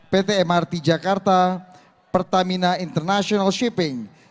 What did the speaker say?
pt mrt jakarta pertamina international shipping